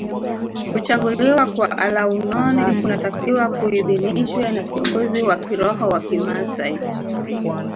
Kuchaguliwa kwa alaunoni kunatakiwa kuidhinishwe na kiongozi wa kiroho wa kimaasai